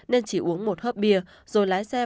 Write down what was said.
nên chỉ uống một hớp bia rồi lái xe